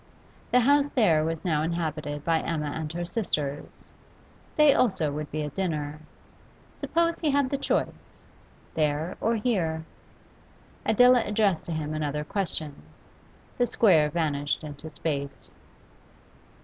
The house there was now inhabited by Emma and her sisters; they also would be at dinner. Suppose he had the choice: there or here? Adela addressed to him another question. The square vanished into space.